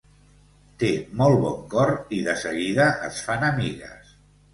Té molt bon cor i de seguida es fan amigues.